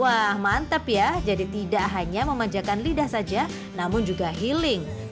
wah mantep ya jadi tidak hanya memanjakan lidah saja namun juga healing